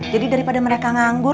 jadi daripada mereka nganggur